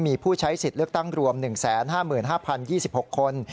มีผู้ใช้สิทธิ์เลือกตั้งรวม๑๕๕๐๒๖คน